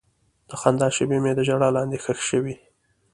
د خندا شېبې مې د ژړا لاندې ښخې شوې.